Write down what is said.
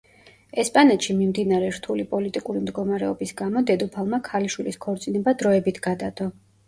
ესპანეთში მიმდინარე რთული პოლიტიკური მდგომარეობის გამო დედოფალმა ქალიშვილის ქორწინება დროებით გადადო.